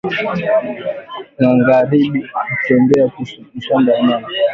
Mangaribi tutenda ku mashamba na mama